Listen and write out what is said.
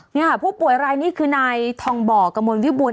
นี่ค่ะผู้ป่วยรายนี้คือนายทองบ่อกระมวลวิบูร